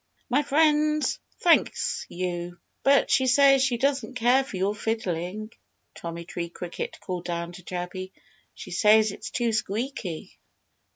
"My friend thanks you. But she says she doesn't care for your fiddling," Tommy Tree Cricket called down to Chirpy. "She says it's too squeaky."